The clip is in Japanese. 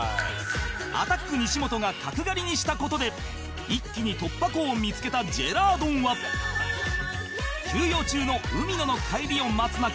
アタック西本が角刈りにした事で一気に突破口を見つけたジェラードンは休養中の海野の帰りを待つ中